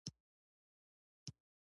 چې باید پام ورته شي